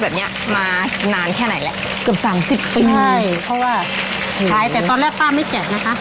แบบเนี้ยมานานแค่ไหนแล้วเกือบสามสิบปีใช่เพราะว่าขายแต่ตอนแรกป้าไม่แจกนะคะ